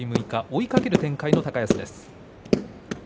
追いかける展開の高安です。